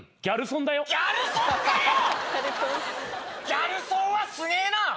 ギャルソンはすげえな！